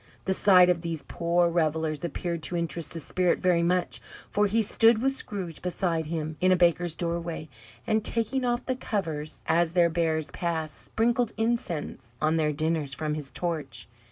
The sight of these poor revellers appeared to interest the Spirit very much, for he stood, with Scrooge beside him, in a baker's doorway, and, taking off the covers as their bearers passed, sprinkled incense on their dinners from his torch.